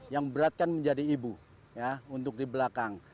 yang berat kan menjadi ibu ya untuk di belakang